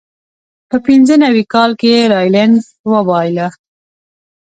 په پینځه نوي کال کې یې راینلنډ وبایله.